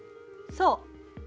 そう。